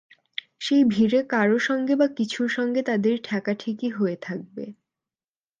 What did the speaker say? সেই ভিড়ে কারও সঙ্গে বা কিছুর সঙ্গে তাদের ঠেকাঠেকি হয়ে থাকবে।